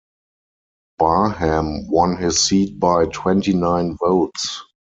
Barham won his seat by twenty-nine votes.